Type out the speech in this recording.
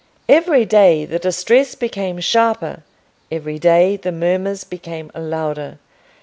Every day the distress became sharper: every day the murmurs became louder.